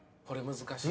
難しい！